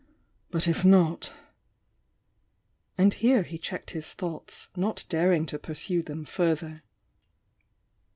— but if not ",. And here he checked his thoughts, not daring to pursue them further.